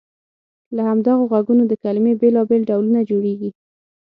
له همدغو غږونو د کلمې بېلابېل ډولونه جوړیږي.